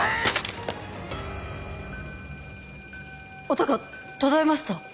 音が途絶えました。